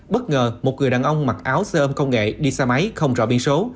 bất ngờ một người đàn ông mặc áo xe ôm công nghệ đi xa máy không rõ biên số